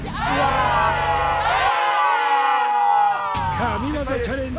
神業チャレンジ